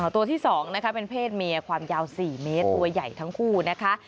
ตัวที่๒นะคะเป็นเพศเมียความยาว๔เมตรตัวใหญ่ทั้งคู่นะคะ